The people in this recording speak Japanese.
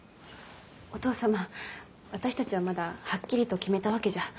お父様私たちはまだはっきりと決めたわけじゃ。